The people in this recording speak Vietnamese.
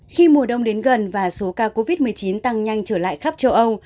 khi mùa đông đến gần và số ca covid một mươi chín tăng nhanh trở lại khắp châu âu